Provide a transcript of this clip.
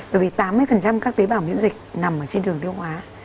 bởi vì tám mươi các tế bảo miễn dịch nằm ở trên đường tiêu hóa